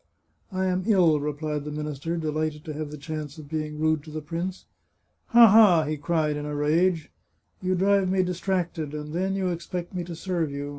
" I am ill," replied the minister, delighted to have the chance of being rude to the prince. " Ha, ha !" he cried, in a rage. " You drive me distracted, and then you expect me to serve you!